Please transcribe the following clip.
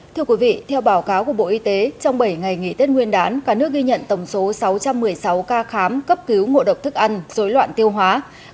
thưa quý vị theo báo cáo của bộ y tế trong bảy ngày nghỉ tết nguyên đán cả nước ghi nhận tổng số sáu trăm một mươi sáu ca khám cấp cứu ngộ độc thức ăn dối loạn tiêu hóa